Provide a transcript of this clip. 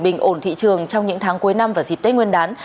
bình ổn thị trường trong những tháng cuối năm và dịp tết nguyên đán